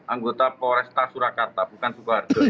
anggota polresta surakarta bukan sukoharto ya